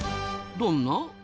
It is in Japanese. どんな？